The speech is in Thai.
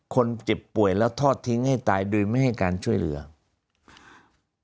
คนเจ็บป่วยแล้วทอดทิ้งให้ตายโดยไม่ให้การช่วยเหลือ